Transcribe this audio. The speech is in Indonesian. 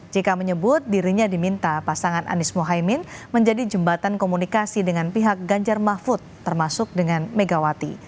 jk menyebut dirinya diminta pasangan anies mohaimin menjadi jembatan komunikasi dengan pihak ganjar mahfud termasuk dengan megawati